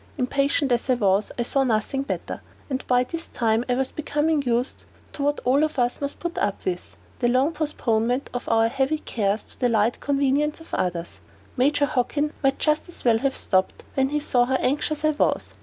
Impatient as I was, I saw nothing better; and by this time I was becoming used to what all of us must put up with the long postponement of our heavy cares to the light convenience of others. Major Hockin might just as well have stopped, when he saw how anxious I was.